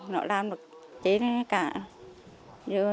nó làm được tí nữa cả